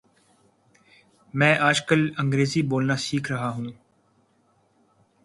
میں آج کل انگریزی بولنا سیکھ رہا ہوں